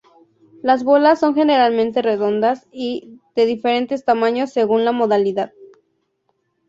Las bolas son generalmente redondas y de diferentes tamaños según la modalidad.